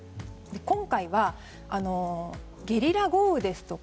今回はゲリラ豪雨ですとか